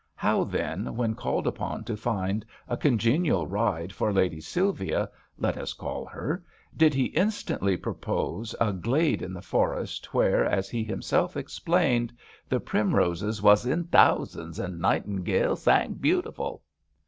How, then, when called upon to find a congenial ride for "Lady Sylvia," let us call her, did he instantly propose a glade in the forest, where, as he himself explained, the "primroses was in thousands, and the nightingales sang beautiful!"